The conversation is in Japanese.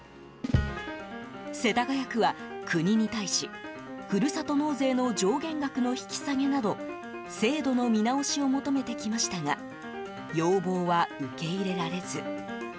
世田谷区は、国に対しふるさと納税の上限額の引き下げなど制度の見直しを求めてきましたが要望は受け入れられず。